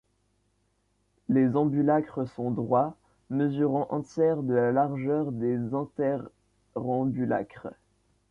Les ambulacres sont droits, mesurant un tiers de la largeur des interambulacres.